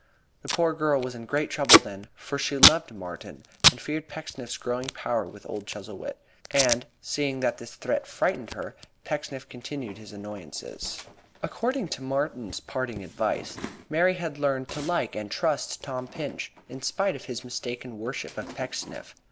The poor girl was in great trouble then, for she loved Martin and feared Pecksniff's growing power with old Chuzzlewit. And seeing that this threat frightened her, Pecksniff continued his annoyances. According to Martin's parting advice, Mary had learned to like and to trust Tom Pinch, in spite of his mistaken worship of Pecksniff.